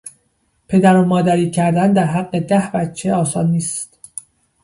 پدر و مادری کردن در حق ده بچه آسان نیست.